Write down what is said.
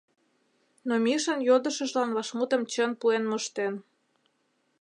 Но Мишан йодышыжлан вашмутым чын пуэн моштен.